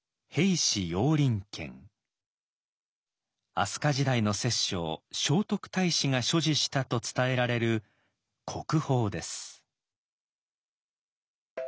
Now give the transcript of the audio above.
飛鳥時代の摂政聖徳太子が所持したと伝えられる国宝です。